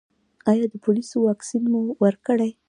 ایا د پولیو واکسین مو ورکړی؟